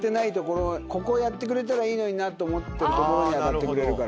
ここをやってくれたらいいのになと思ってたところに当たってくれるから。